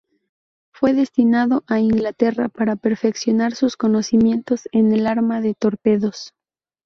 Fue destinado a Inglaterra para perfeccionar sus conocimientos en el arma de torpedos.